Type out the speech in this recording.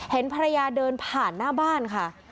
เห็นภรรยาเดินผ่านหน้าบ้านค่ะ